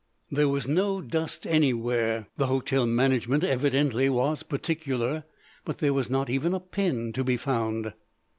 There was no dust anywhere,—the hotel management evidently was particular—but there was not even a pin to be found.